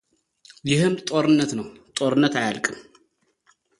ይኽም ጦርነት ነው ጦርነት አያልቅም።